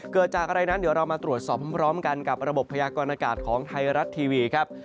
เกิดจากอะไรนั้นเดี๋ยวเรามาตรวจสอบพร้อมกันกับระบบพยากรณากาศของไทยรัฐทีวีครับ